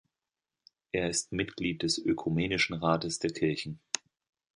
Er ist Mitglied des Ökumenischen Rates der Kirchen.